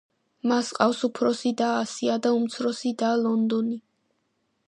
მას ჰყავს უფროსი და ასია და უმცროსი და ლონდონი.